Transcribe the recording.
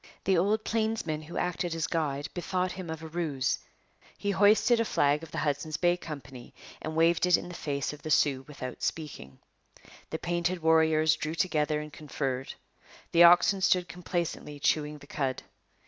The old plainsman who acted as guide bethought him of a ruse: he hoisted a flag of the Hudson's Bay Company and waved it in the face of the Sioux without speaking. The painted warriors drew together and conferred. The oxen stood complacently chewing the cud.